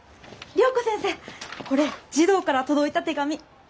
良子先生これ児童から届いた手紙。